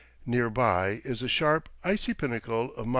Near by is the sharp, icy pinnacle of Mt.